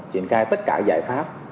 triển khai tất cả giải pháp